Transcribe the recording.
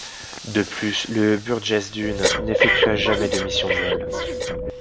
De plus, le Burgess-Dunne n'effectua jamais de mission de vol.